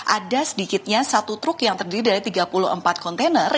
ada sedikitnya satu truk yang terdiri dari tiga puluh empat kontainer